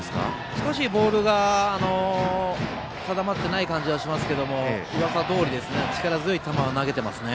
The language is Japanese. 少しボールが定まっていない感じはしますがうわさどおり力強い球を投げていますね。